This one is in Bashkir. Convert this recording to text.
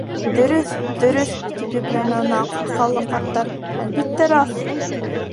— Дөрөҫ, дөрөҫ, — тип йөпләне уны аҡ һаҡаллы ҡарттар, — әлбиттә, раҫ.